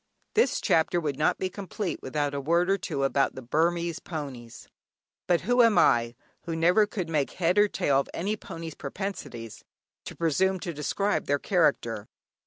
This chapter would not be complete without a word or two about the Burmese ponies; but who am I, who never could make head or tail of any pony's propensities, to presume to describe their character?